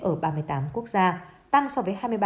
ở ba mươi tám quốc gia tăng so với